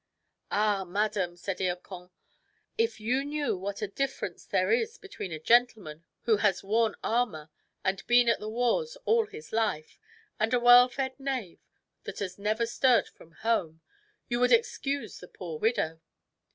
"Ah, madam," said Hircan, "if you knew what a difference there is between a gentleman who has worn armour and been at the wars all his life, and a well fed knave that has never stirred from home, you would excuse the poor widow."